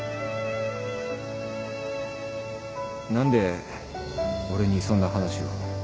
何で俺にそんな話を。